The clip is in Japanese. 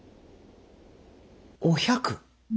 お百？